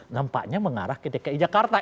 nampaknya mengarah ke dki jakarta